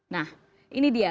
nah ini dia